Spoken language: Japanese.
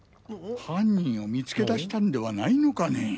犯人を見つけ出したんではないのかね？